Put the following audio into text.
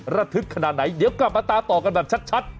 ระทึกขนาดไหนเดี๋ยวกลับมาตามต่อกันแบบชัด